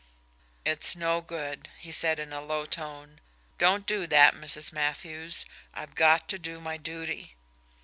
"It's no good," he said in a low tone. "Don't do that, Mrs. Matthews, I've got to do my duty."